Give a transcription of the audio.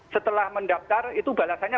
setelah mendaftar itu balasannya